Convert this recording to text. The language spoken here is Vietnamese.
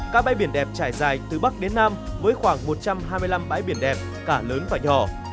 các bãi biển đẹp trải dài từ bắc đến nam với khoảng một trăm hai mươi năm bãi biển đẹp cả lớn và nhỏ